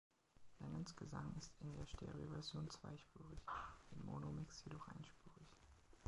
Lennons Gesang ist in der Stereoversion zweispurig, im Monomix jedoch einspurig.